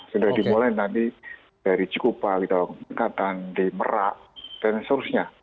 sudah dimulai nanti dari cikupa di merak dan sebagainya